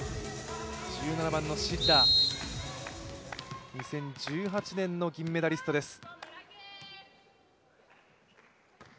１７番のシッラ、２０１８年の銀メダリストです。